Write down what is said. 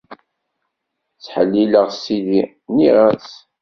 Ttḥellileɣ Sidi, nniɣ-as.